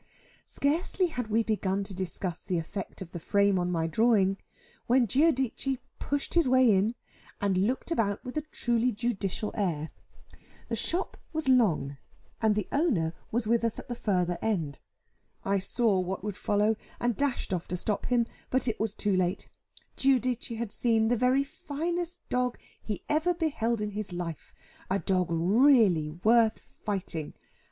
Scarcely had we begun to discuss the effect of the frame on my drawing, when Giudice pushed his way in, and looked about with a truly judicial air. The shop was long, and the owner was with us at the further end. I saw what would follow, and dashed off to stop him, but it was too late. Giudice had seen the very finest dog he ever beheld in his life a dog really worth fighting.